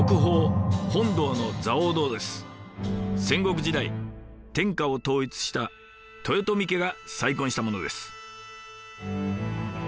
戦国時代天下を統一した豊臣家が再建したものです。